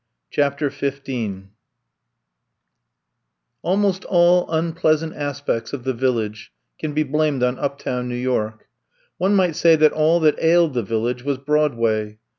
CHAPTER XV ALMOST all unpleasant aspects of the Village can be blamed on uptown New York. One might say that all that ailed the Village was Broadway.